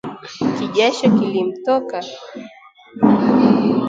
Kijasho kilinitoka